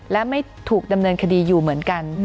และไม่ถูกดำเนินคดีอยู่เหมือนกัน